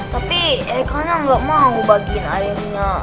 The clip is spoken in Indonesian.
tapi heikalnya nggak mau bagiin airnya